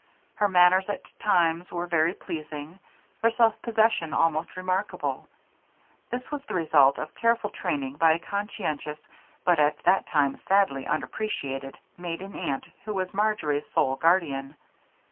Her manners at times were very pleasing, her self possession almost remarkable; this was the result of careful training by a conscientious, but at that time sadly unappreciated, maiden aunt who was Marjory's sole guardian.